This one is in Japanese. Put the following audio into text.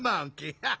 ハッ。